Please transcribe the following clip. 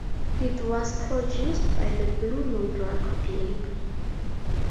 It was produced by the Blue Note record label.